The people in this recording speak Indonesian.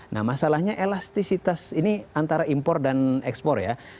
nah masalahnya elastisitas ini antara impor dan ekspor ya